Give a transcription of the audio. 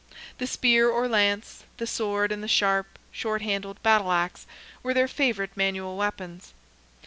The spear or lance, the sword, and the sharp, short handled battle axe, were their favourite manual weapons.